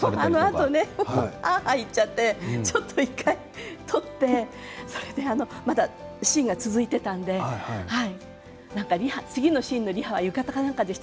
あのあとねはあはあ言っちゃってちょっと１回とってそれでまだシーンが続いてたので次のシーンのリハは浴衣か何かでしたんじゃないかしら。